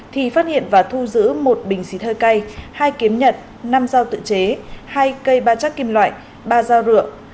thì phát hiện và thu giữ một bình xí thơ cây hai kiếm nhật năm dao tự chế hai cây ba chắc kim loại ba dao rượu